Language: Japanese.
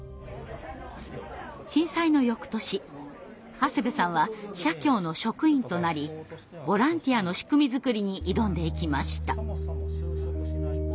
震災の翌年長谷部さんは社協の職員となりボランティアの仕組み作りに挑んでいきました。